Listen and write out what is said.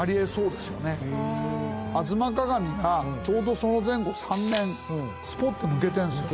『吾妻鏡』がちょうどその前後３年スポッと抜けてるんですよ。